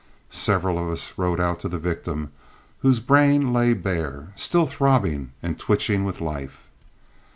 Several of us rode out to the victim, whose brain lay bare, still throbbing and twitching with life.